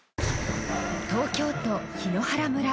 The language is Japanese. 東京都檜原村。